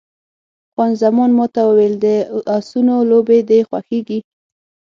خان زمان ما ته وویل، د اسونو لوبې دې خوښېږي؟